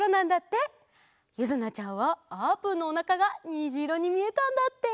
ゆずなちゃんはあーぷんのおなかがにじいろにみえたんだって。